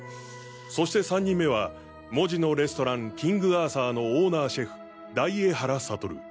そして３人目は門司のレストラン「キングアーサー」のオーナーシェフ大江原悟。